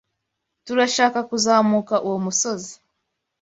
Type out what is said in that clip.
Turashaka kuzamuka uwo musozi.